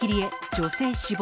女性死亡。